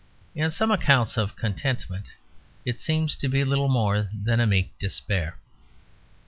In some accounts of contentment it seems to be little more than a meek despair.